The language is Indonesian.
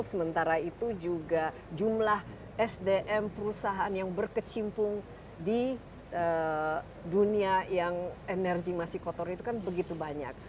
sementara itu juga jumlah sdm perusahaan yang berkecimpung di dunia yang energi masih kotor itu kan begitu banyak